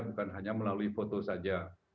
bukan hanya melalui foto saja